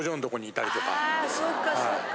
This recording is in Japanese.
あそっかそっか。